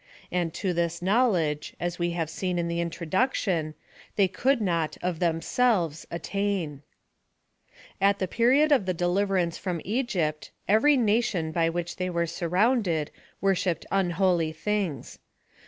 And to this knowledgCj as we have seen in the introduction, they cou.d not, of themselves, attain. At the period of the deliverance from Egypt^ PLAN OP SALVATION. 9l every nation by which they were surrounded, wor shipped unholy beings.